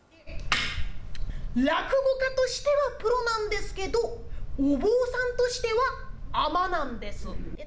落語家としてはプロなんですけど、お坊さんとしてはアマなんです。